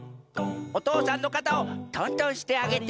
おとうさんのかたをとんとんしてあげて。